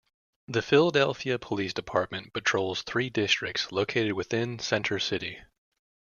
The Philadelphia Police Department patrols three districts located within Center City.